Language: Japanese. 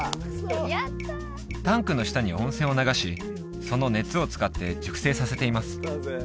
タンクの下に温泉を流しその熱を使って熟成させています